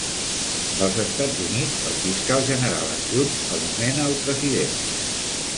Als Estats Units, el fiscal general adjunt el nomena el president.